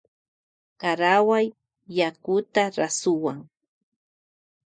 Karawuay yakuta rasuwa.